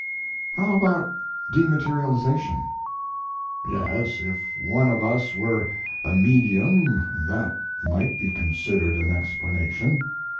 "How about dematerialization?" "Yes, if one of us were a medium that might be considered an explanation."